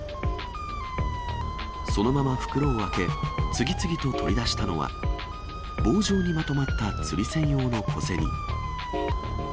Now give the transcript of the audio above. そのまま袋を開け、次々と取り出したのは、棒状にまとまった釣り銭用の小銭。